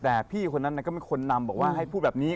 แต่พี่คนนั้นก็ไม่ค้นนำแบบให้ให้พูดแบบนี้